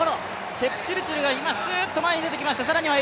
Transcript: チェプチルチルがスッと前に出てきました。